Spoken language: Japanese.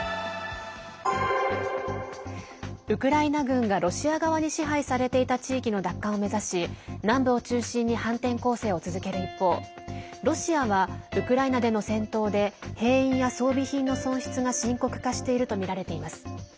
ウクライナ軍がロシア側に支配されていた地域の奪還を目指し南部を中心に反転攻勢を続ける一方ロシアはウクライナでの戦闘で兵員や装備品の損失が深刻化しているとみられています。